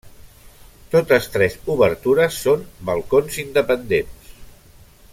Totes tres obertures són balcons independents.